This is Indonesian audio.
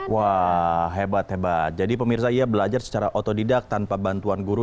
wah hebat hebat jadi pemirsa ia belajar secara otodidak tanpa bantuan guru